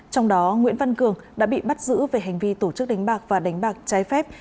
trong đó nguyễn văn cường đã bị bắt giữ về hành vi tổ chức đánh bạc và đánh bạc trái phép